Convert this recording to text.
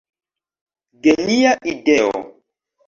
Genia ideo!